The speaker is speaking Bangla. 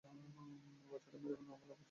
বাচ্চাটা মেরে না ফেলা পর্যন্ত থামে না।